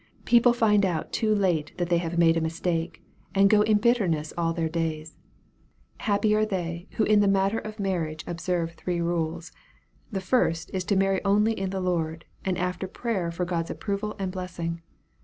People find out too late that they have made a mistake, and go in bit terness all their days. Happy are they, who in the mat ter of marriage observe three rules. The first is to marry only in the Lord, and after prayer for God's approval and blessing.